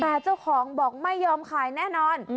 แต่เจ้าของบอกไม่ยอมขายแน่นอน